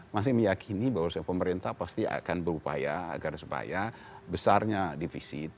masih meyakini bahwa pemerintah pasti akan berupaya agar supaya besarnya defisit